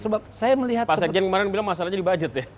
pak sekjen kemarin bilang masalahnya di budget ya